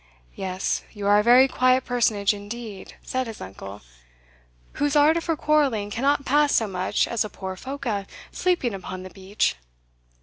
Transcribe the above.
"Yes, you are a very quiet personage indeed," said his uncle, "whose ardour for quarrelling cannot pass so much as a poor phoca sleeping upon the beach!"